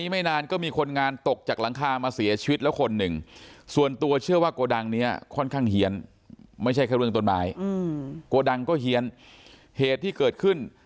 ไม่แค่เรื่องต้นไม้โกดังก็เฮียนเหตุที่เกิดขึ้น